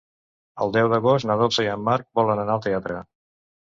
El deu d'agost na Dolça i en Marc volen anar al teatre.